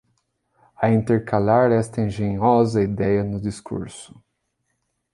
a intercalar esta engenhosa idéia no discurso